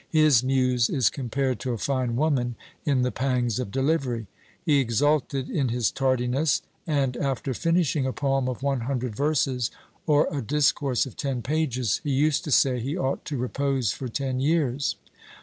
His muse is compared to a fine woman in the pangs of delivery. He exulted in his tardiness, and, after finishing a poem of one hundred verses, or a discourse of ten pages, he used to say he ought to repose for ten years.